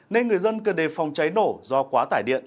nên người dân cần đề phòng cháy nổ do quá tải điện